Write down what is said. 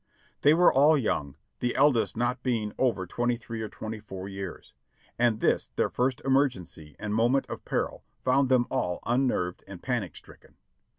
They were all young, the eldest not being over twenty three or twenty four years, and this their first emergency and moment of peril found them all unnerved and panic stricken.